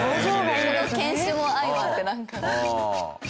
この犬種も相まってなんか。